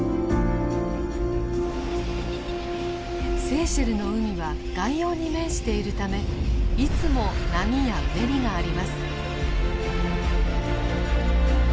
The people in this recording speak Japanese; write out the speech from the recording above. セーシェルの海は外洋に面しているためいつも波やうねりがあります。